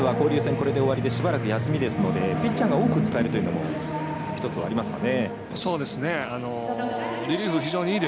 これで終わりでしばらく休みですのでピッチャーが多く使えるというのも１つありますかね。